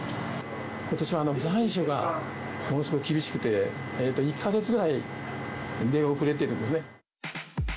ことしは残暑がものすごい厳しくて、１か月ぐらい出遅れてるんですね。